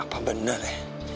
apa bener ya